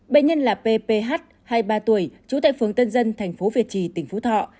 bệnh nhân là p p h hai mươi ba tuổi trú tại phường tân dân tp việt trì tỉnh phú thọ